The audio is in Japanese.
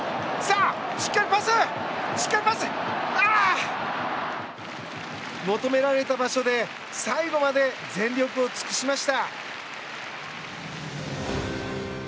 あー！求められた場所で最後まで全力を尽くしました。